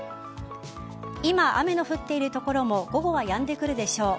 今、雨が降っている所も午後はやんでくるでしょう。